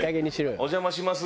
お邪魔します。